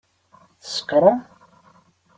Tsekṛem!